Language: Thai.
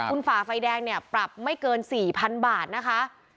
คุณฝ่าไฟแดงเนี่ยปรับไม่เกิน๔๐๐๐บาทนะคะ